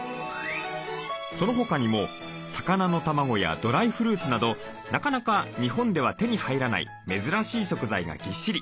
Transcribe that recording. その他にも魚の卵やドライフルーツなどなかなか日本では手に入らない珍しい食材がぎっしり。